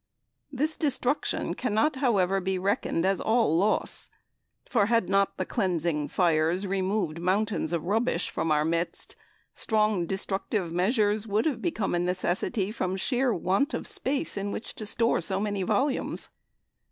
This destruction cannot, however, be reckoned as all loss; for had not the "cleansing fires" removed mountains of rubbish from our midst, strong destructive measures would have become a necessity from sheer want of space in which to store so many volumes.